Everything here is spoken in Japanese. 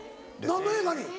何の映画に？